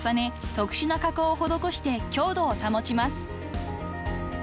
特殊な加工を施して強度を保ちます］